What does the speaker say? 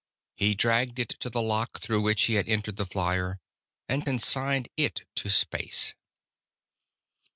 He dragged it to the lock through which he had entered the flier, and consigned it to space....